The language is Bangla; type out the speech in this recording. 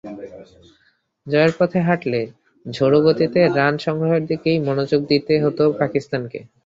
জয়ের পথে হাঁটলে ঝোড়ো গতিতে রান সংগ্রহের দিকেই মনোযোগ দিতে হতো পাকিস্তানকে।